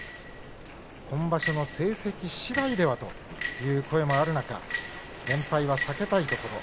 今場所の成績しだいではという声もある中連敗は避けたいところ。